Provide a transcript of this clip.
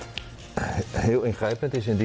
เธอจะบอกว่าเธอจะบอกว่าเธอจะบอกว่า